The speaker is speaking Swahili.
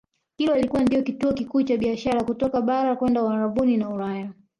Kilwa ilikuwa ndiyo kituo kikuu cha biashara kutoka bara kwenda Uarabuni na Ulaya